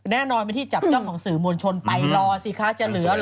แน่นอนเป็นที่จับจ้องของสื่อมวลชนไปรอสิคะจะเหลือเหรอ